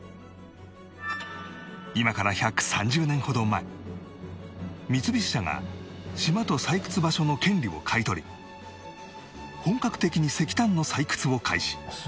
今から１３０年ほど前三菱社が島と採掘場所の権利を買い取り本格的に石炭の採掘を開始